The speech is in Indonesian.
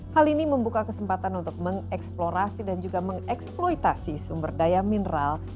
hal ini membuka kesempatan untuk mengeksplorasi dan juga mengeksploitasi sumber daya mineral